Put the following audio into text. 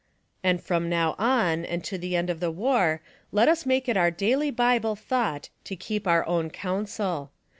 And from now on and to the end of the war let us make it our daily bible thought to keep our own counsel.